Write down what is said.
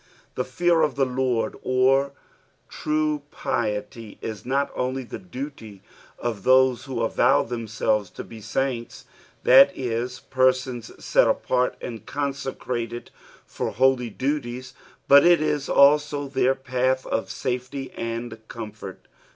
The fear of the Lord or true piety is not onl; the duty of those who avow themselves to be saints, that is, persons set apart and consecrated for holy dudes, but it is also their path of safety and comfort.